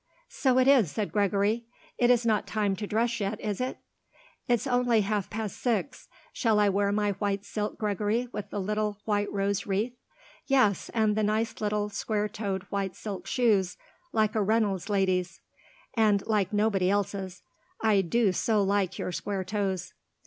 "So it is," said Gregory. "It's not time to dress yet, is it?" "It's only half past six. Shall I wear my white silk, Gregory, with the little white rose wreath?" "Yes, and the nice little square toed white silk shoes like a Reynolds lady's and like nobody else's. I do so like your square toes."